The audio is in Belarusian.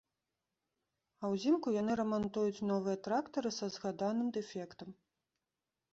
А узімку яны рамантуюць новыя трактары са згаданым дэфектам.